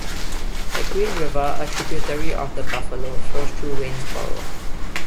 The Green River, a tributary of the Buffalo, flows through Waynesboro.